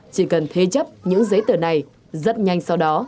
chỉ cần thế chấp những giấy tờ này rất nhanh sau đó